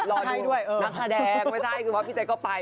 โอเครอดูนักแสดงไม่ใช่พี่แจ็คก็ไป